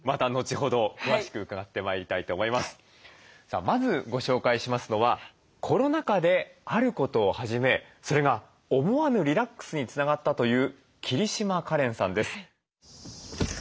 さあまずご紹介しますのはコロナ禍であることを始めそれが思わぬリラックスにつながったという桐島かれんさんです。